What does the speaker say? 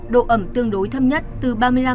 độ ẩm tương đối thấp nhất từ ba mươi năm năm mươi